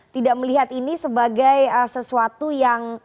tidak melihat ini sebagai sesuatu yang